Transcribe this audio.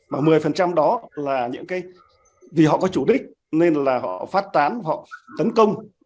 mà một mươi đó là những cái vì họ có chủ đích nên là họ phát tán họ tấn công